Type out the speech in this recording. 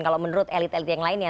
kalau menurut elit elit yang lainnya